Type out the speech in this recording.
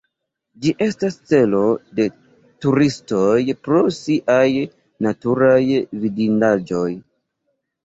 Ĝi estas celo de turistoj pro siaj naturaj vidindaĵoj.